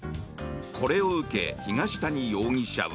これを受け、東谷容疑者は。